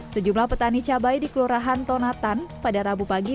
sejumlah petani cabai di kelurahan tonatan pada rabu pagi